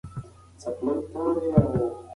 که خپلواکي وي نو امر نه وي.